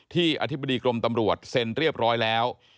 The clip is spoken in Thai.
อธิบดีกรมตำรวจเซ็นเรียบร้อยแล้ว